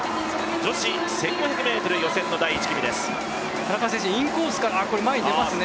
女子１５００ｍ予選の第１組です。